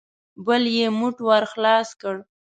بل يې موټ ور خلاص کړ.